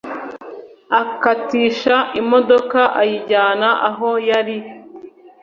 akatisha imodoka ayijyana aho yari